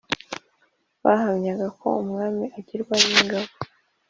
bahamyaga ko "umwami agirwa n'ingabo